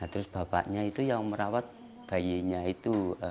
terus bapaknya itu yang merawat bayinya itu